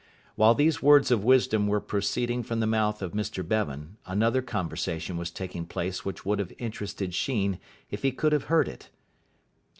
While these words of wisdom were proceeding from the mouth of Mr Bevan, another conversation was taking place which would have interested Sheen if he could have heard it.